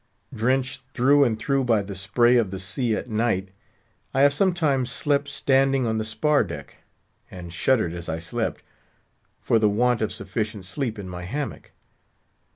Drenched through and through by the spray of the sea at night. I have sometimes slept standing on the spar deck—and shuddered as I slept—for the want of sufficient sleep in my hammock.